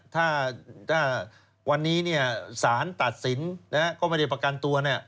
ถ้าวันนี้เนี่ยสารตัดสินก็ไม่ได้ประกันตัวเนี่ย